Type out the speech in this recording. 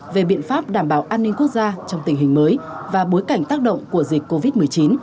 về biện pháp đảm bảo an ninh quốc gia trong tình hình mới và bối cảnh tác động của dịch covid một mươi chín